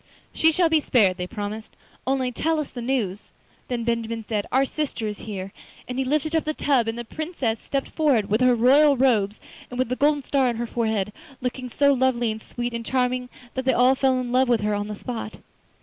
'She shall be spared,' they promised, 'only tell us the news.' Then Benjamin said: 'Our sister is here!' and he lifted up the tub and the Princess stepped forward, with her royal robes and with the golden star on her forehead, looking so lovely and sweet and charming that they all fell in love with her on the spot.